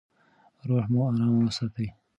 روح مو ارام وساتئ.